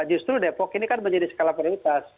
justru depok ini kan menjadi skala prioritas